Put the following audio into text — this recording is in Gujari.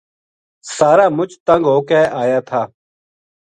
سارا مُچ تنگ ہو کے آیا تھا